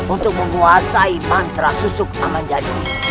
untuk menguasai mantra susuk aman jadi